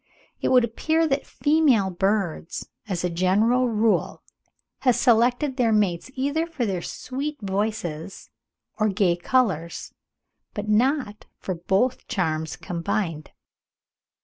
It would appear that female birds, as a general rule, have selected their mates either for their sweet voices or gay colours, but not for both charms combined.